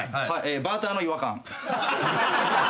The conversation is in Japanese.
バーターの違和感。